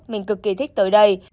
mình cực kỳ thích tới đây